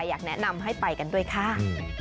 อยากแนะนำให้ไปกันด้วยค่ะ